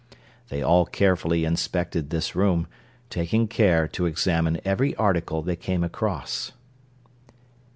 They all carefully inspected this room, taking care to examine every article they came across.